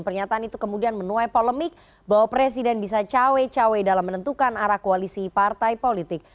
pernyataan itu kemudian menuai polemik bahwa presiden bisa cawe cawe dalam menentukan arah koalisi partai politik